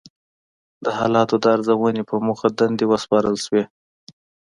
د حالاتو د ارزونې په موخه دندې وسپارل شوې.